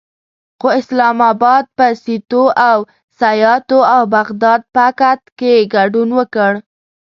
خو اسلام اباد په سیتو او سیاتو او بغداد پکت کې ګډون وکړ.